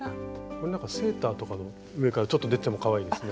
これなんかセーターとかでも上からちょっと出てもかわいいですね。